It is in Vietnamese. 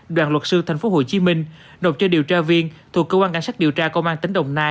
đoàn luật sư tp hcm nộp cho điều tra viên thuộc cơ quan cảnh sát điều tra công an tỉnh đồng nai